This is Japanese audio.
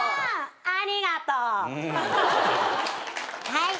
はい。